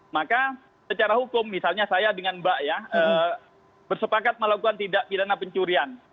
maka secara hukum misalnya saya dengan mbak ya bersepakat melakukan tindak pidana pencurian